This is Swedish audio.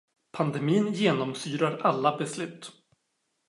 Pandemin genomsyrar alla beslut.